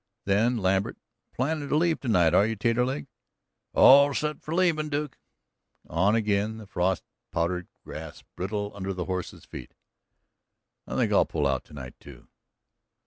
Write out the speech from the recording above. Then Lambert: "Plannin' to leave tonight, are you Taterleg?" "All set for leavin', Duke." On again, the frost powdered grass brittle under the horses' feet. "I think I'll pull out tonight, too."